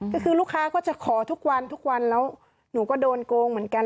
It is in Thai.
ก็คือลูกค้าก็จะขอทุกวันทุกวันแล้วหนูก็โดนโกงเหมือนกัน